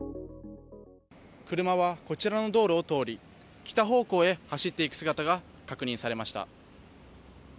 車はこちらの道路を通り、北方向へ走っていく姿が確認されました。